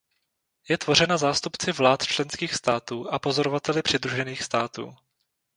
Je tvořena zástupci vlád členských států a pozorovateli přidružených států.